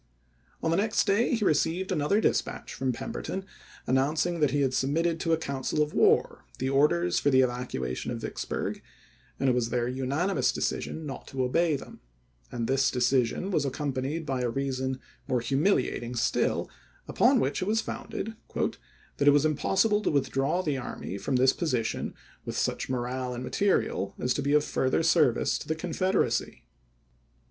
May i8,i863. On the next day he received another dispatch from Pemberton announcing that he had sub mitted to a council of war the orders for the evacuation of Vicksburg, and it was their unani mous decision not to obey them ; and this decision was accompanied by a reason more humiliating still, upon which it was founded, " that it was im possible to withdraw the army from this position with such morale and material as to be of further service to the Confederacy."